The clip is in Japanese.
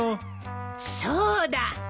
そうだ！